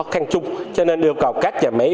khăn chung cho nên yêu cầu các nhà máy